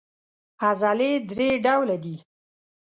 عضلې درې ډوله دي.